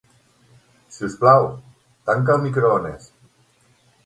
Si us plau, tanca el microones.